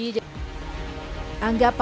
menurut aku mungkin harus di balance balance aja